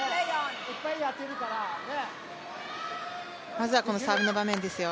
まずはこのサーブの場面ですよ。